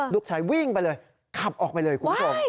ลูกชายวิ่งไปเลยขับออกไปเลยคุณผู้ชม